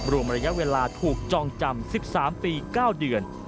รวมระยะเวลาถูกจองจำ๑๓ปี๙เดือน